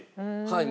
はい。